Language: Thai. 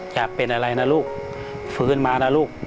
จะเป็นอะไรนะลูกฟื้นมานะลูก